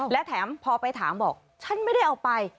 และแถมพอไปถามบอกฉันไม่ได้เอาไป